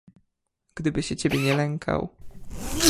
"Gdyby się ciebie nie lękał."